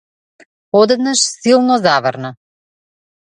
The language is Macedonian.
Одеднаш силно заврна.